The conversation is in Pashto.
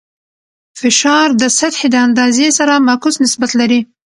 فشار د سطحې د اندازې سره معکوس نسبت لري.